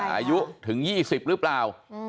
อายุถึง๒๐หรือเปล่า